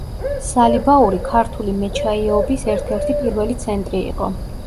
სალიბაური ქართული მეჩაიეობის ერთ-ერთი პირველი ცენტრი იყო.